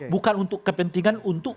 bukan untuk kepentingan untuk